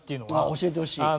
教えてほしい。